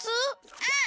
うん。